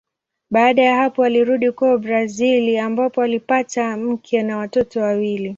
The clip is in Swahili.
Baada ya hapo alirudi kwao Brazili ambapo alipata mke na watoto wawili.